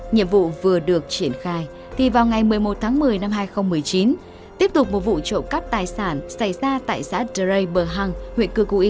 nhiệm vụ vừa được triển khai thì vào ngày một mươi một tháng một mươi năm hai nghìn một mươi chín tiếp tục một vụ trộm cắp tài sản xảy ra tại xã đắk lắk